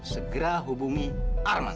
segera hubungi arman